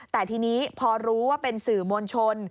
แต่ทีนี้พอรู้ว่าเป็นสื่อมวลชน